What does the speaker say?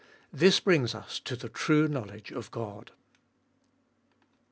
This brings us to the true knowledge of God.